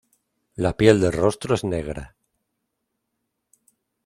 La piel del rostro es negra.